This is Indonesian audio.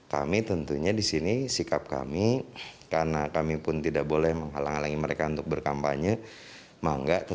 kami tentunya disini sikap kami karena kami pun tidak boleh menghalangi mereka untuk berkampanye